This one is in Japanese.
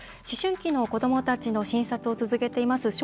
思春期の子どもたちの診察を続けています